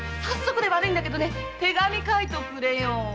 手紙書いとくれよ。